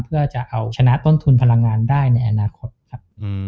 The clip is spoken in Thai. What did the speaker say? เพื่อจะเอาชนะต้นทุนพลังงานได้ในอนาคตครับ